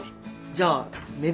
じゃあめ